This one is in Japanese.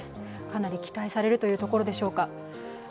かなり期待されるというところでしょうか。